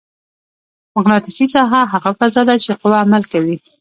مقناطیسي ساحه هغه فضا ده چې قوه عمل کوي.